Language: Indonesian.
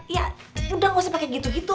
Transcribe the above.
ya udah gak usah pakai gitu gitu